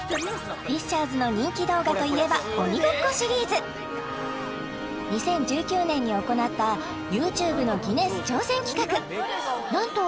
’ｓの人気動画といえば鬼ごっこシリーズ２０１９年に行ったＹｏｕＴｕｂｅのギネス挑戦企画なんと